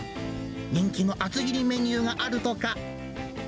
人気の厚切りメニューがあるとか。